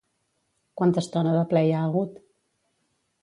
Quanta estona de ple hi ha hagut?